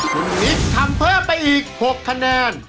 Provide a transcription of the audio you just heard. คุณลิฟต์ทำเพิ่มไปอีก๖คะแนน